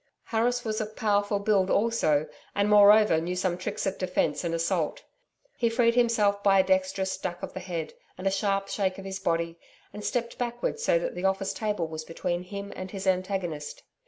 Harris was of powerful build also, and, moreover knew some tricks of defence and assault. He freed himself by a dexterous duck of his head, and a sharp shake of his body, and stepped backward so that the office table was between him and his antagonist.